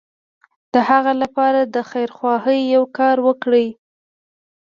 د هغه لپاره د خيرخواهي يو کار وکړي.